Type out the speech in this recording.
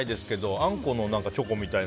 あんこチョコみたいな。